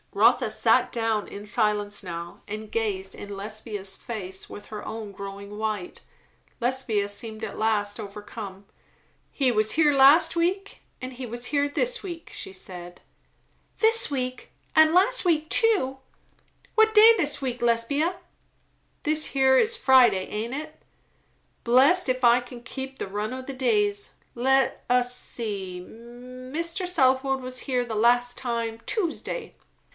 Rotha sat down, in silence now, and gazed in Lesbia's face with her own growing white. Lesbia seemed at last overcome. "He was here last week, and he was here this week," she said. "This week! and last week too. What day this week, Lesbia?" "This here is Friday, aint it. Blessed if I kin keep the run o' the days. Let us see Mr. Southwode was here the last time, Tuesday."